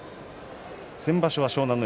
先場所は湘南乃